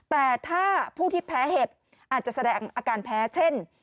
แต่ถ้าผู้ที่แพ้เห็บอาจจะแสดงอาการแพ้เช่น